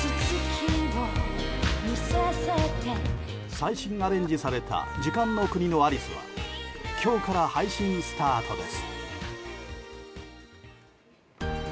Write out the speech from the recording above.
最新アレンジされた「時間の国のアリス」は今日から配信スタートです。